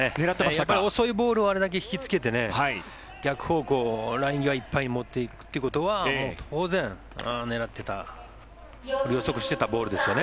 やっぱり遅いボールをあれだけ引きつけて、逆方向ライン際いっぱいに持っていくということは当然、狙っていた予測してたボールですよね。